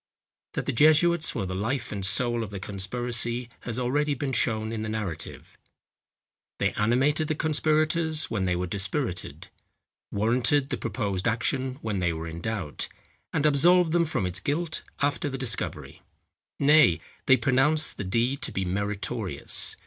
That the jesuits were the life and soul of the conspiracy has already been shown in the narrative. They animated the conspirators when they were dispirited,—warranted the proposed action when they were in doubt,—and absolved them from its guilt after the discovery. Nay, they pronounced the deed to be meritorious.